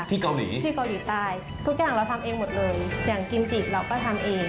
เกาหลีที่เกาหลีใต้ทุกอย่างเราทำเองหมดเลยอย่างกิมจิเราก็ทำเอง